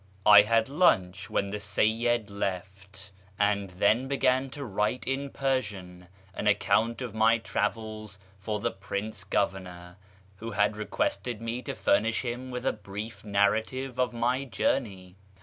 I had lunch when the Seyyid left, and then began to write in Persian an account of my travels for the Prince Governor, who had requested me to furnish him with a brief narrative of my journey.